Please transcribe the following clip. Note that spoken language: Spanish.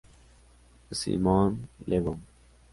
Simon Le Bon.